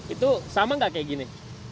itu sama gak kayak gini